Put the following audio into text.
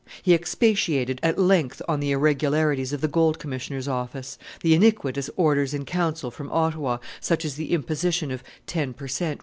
He expatiated at length upon the irregularities of the Gold Commissioner's office; the iniquitous Orders in Council from Ottawa, such as the imposition of ten per cent.